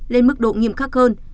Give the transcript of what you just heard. lên mức độ nghiêm khắc hơn